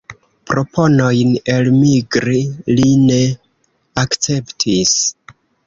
Proponojn elmigri li ne akceptis.